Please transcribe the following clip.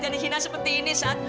jangan dihina seperti ini sat